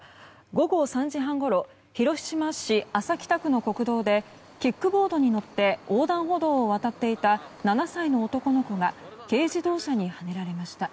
午後３時半ごろ広島市安佐北区の国道でキックボードに乗って横断歩道を渡っていた７歳の男の子が軽自動車にはねられました。